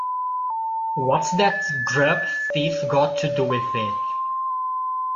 What's that grub-thief got to do with it.